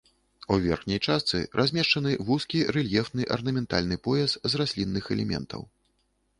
У верхняй частцы размешчаны вузкі рэльефны арнаментальны пояс з раслінных элементаў.